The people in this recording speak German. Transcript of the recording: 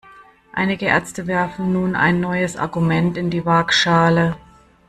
Einige Ärzte werfen nun ein neues Argument in die Waagschale.